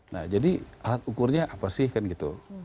nah jadi alat ukurnya apa sih kan gitu